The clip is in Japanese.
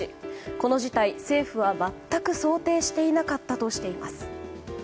この事態、政府は全く想定していなかったとしています。